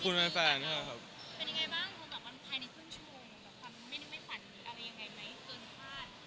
เป็นยังไงบ้างมันภายในช่วงชมมีความไม่นึกไม่ฝันอะไรยังไงมั้ยเกินคาด